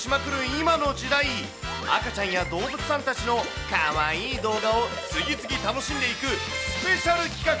今の時代、赤ちゃんや動物さんたちのかわいい動画を次々楽しんでいくスペシャル企画。